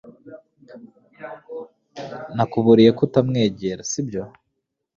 Nakuburiye ko utamwegera, sibyo?